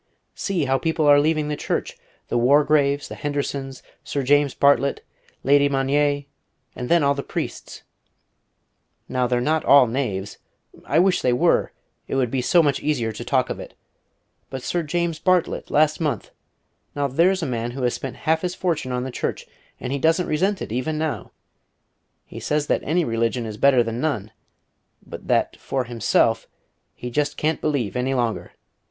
"See how people are leaving the Church! The Wargraves, the Hendersons, Sir James Bartlet, Lady Magnier, and then all the priests. Now they're not all knaves I wish they were; it would be so much easier to talk of it. But Sir James Bartlet, last month! Now, there's a man who has spent half his fortune on the Church, and he doesn't resent it even now. He says that any religion is better than none, but that, for himself, he just can't believe any longer.